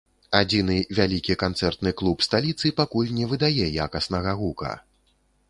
Адзіны вялікі канцэртны клуб сталіцы пакуль не выдае якаснага гука.